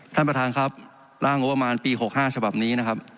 ท่านประธานครับร่างงบประมาณปี๖๕ฉบับนี้นะครับ